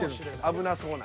危なそうな。